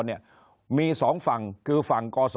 คนในวงการสื่อ๓๐องค์กร